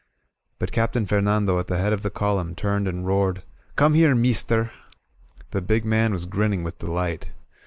'' But Captain Fernando at the head of the column turned and roared: "Come here, meester!'' The big man was grinning with delight.